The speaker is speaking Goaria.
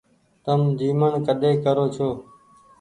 تم جيمڻ ڪۮي ڪرو ڇو۔